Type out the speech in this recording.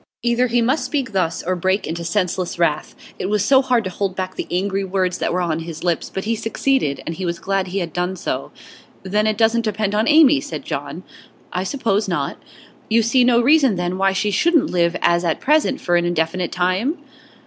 Either he must speak thus, or break into senseless wrath. It was hard to hold back the angry words that were on his lips, but he succeeded, and he was glad he had done so. 'Then it doesn't depend on Amy,' said John. 'I suppose not.' 'You see no reason, then, why she shouldn't live as at present for an indefinite time?